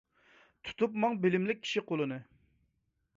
تۇتۇپ ماڭ بىلىملىك كىشى قولىنى.